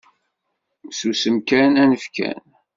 Susem kan, anef kan.